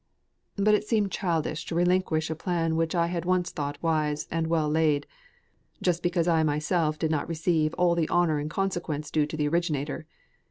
But it seemed childish to relinquish a plan which I had once thought wise and well laid, just because I myself did not receive all the honour and consequence due to the originator.